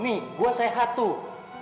nih gua sehat tuh